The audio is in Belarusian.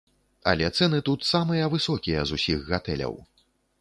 Але цэны тут самыя высокія з усіх гатэляў.